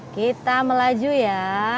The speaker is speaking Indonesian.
kita melaju ya